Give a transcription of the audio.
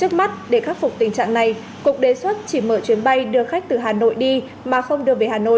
trước mắt để khắc phục tình trạng này cục đề xuất chỉ mở chuyến bay đưa khách từ hà nội đi mà không đưa về hà nội